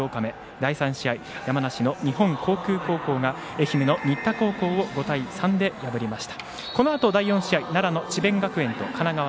第３試合、山梨の日本航空高校が愛媛の新田高校を５対３で破りました。